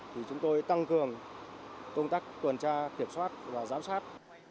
thì chúng tôi tăng cường công tác tuần tra kiểm soát và giám sát